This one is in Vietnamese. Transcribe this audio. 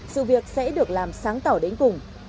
sự việc sẽ được làm sáng tỏa đến cùng